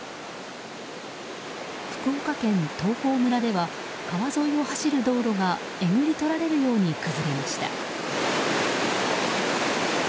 福岡県東峰村では川沿いを走る道路がえぐりとられるように崩れました。